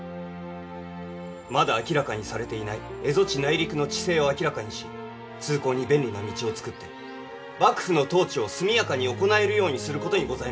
まだ明らかにされていない蝦夷地内陸の地勢を明らかにし通行に便利な道を作って幕府の統治を速やかに行えるようにすることにございます。